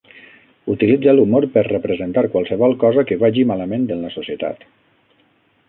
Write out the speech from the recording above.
Utilitza l'humor per representar qualsevol cosa que vagi malament en la societat.